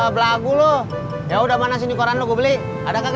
belagu lu yaudah mana sini koran lu gue beli ada gak